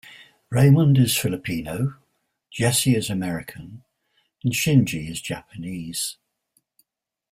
Raimund is Filipino, Jesse is American, and Shinji is Japanese.